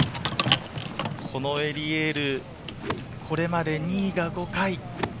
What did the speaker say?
このエリエール、これまで２位が５回。